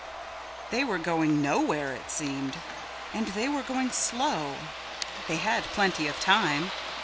They were going nowhere, it seemed. And they were going slow. They had plenty of time.